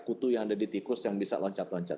kutu yang ada di tikus yang bisa loncat loncat